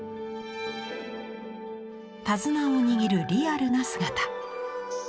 手綱を握るリアルな姿。